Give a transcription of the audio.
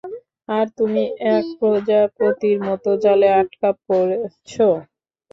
আর তুমি এক প্রজাপতির মতো জালে আটকা পড়েছ।